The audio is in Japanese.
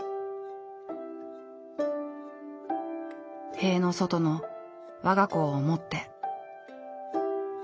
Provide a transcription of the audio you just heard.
塀の外のわが子を思って。